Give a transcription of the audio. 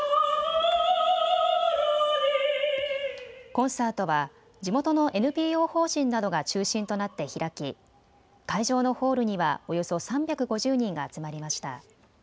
コンサートは地元のＮＰＯ法人などが中心となって開き会場のホールにはおよそ３５０人が集まりました。